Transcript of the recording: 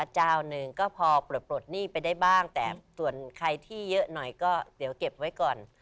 เจ้าหนึ่งก็พอปลดหนี้ไปได้บ้างแต่ส่วนใครที่เยอะหน่อยก็เดี๋ยวเก็บไว้ก่อน